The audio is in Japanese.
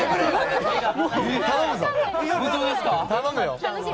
頼むよ！